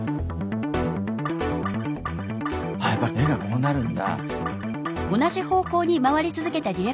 あやっぱ目がこうなるんだ。